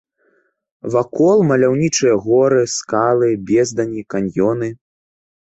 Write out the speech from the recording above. Вакол маляўнічыя горы, скалы, бездані, каньёны.